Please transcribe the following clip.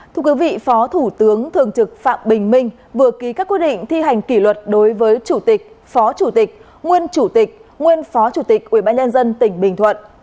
thưa quý vị phó thủ tướng thường trực phạm bình minh vừa ký các quy định thi hành kỷ luật đối với chủ tịch phó chủ tịch nguyên chủ tịch nguyên phó chủ tịch ubnd tỉnh bình thuận